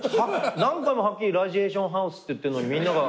何回もはっきり『ラジエーションハウス』って言ってるのにみんなが聞こえてないなと。